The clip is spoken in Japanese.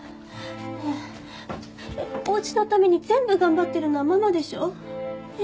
ねえお家のために全部頑張ってるのはママでしょ？